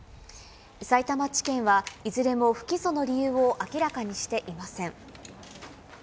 さいたま地検はいずれも不起訴の理由を明らかにしていません。